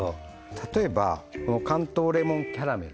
例えば関東レモンキャラメル